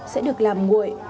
sẽ được làm nguội